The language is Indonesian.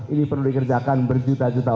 ini perlu dikerjakan berjuta juta